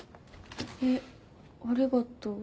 えっありがとう。